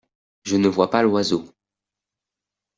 Je ne vois pas l’oiseau.